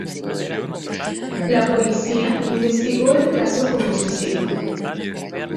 La policía investigó el caso como suicidio.